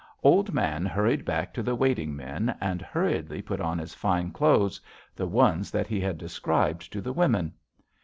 "Old Man hurried back to the waiting men, and hurriedly put on his fine clothes, the ones that he had described to the women.